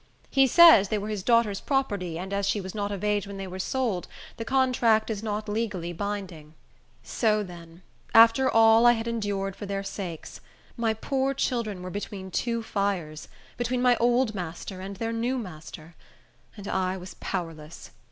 He says they were his daughter's property, and as she was not of age when they were sold, the contract is not legally binding." So, then, after all I had endured for their sakes, my poor children were between two fires; between my old master and their new master! And I was powerless.